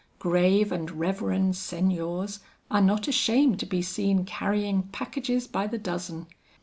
Grave and reverend seigniors, are not ashamed to be seen carrying packages by the dozen.